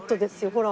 ほら！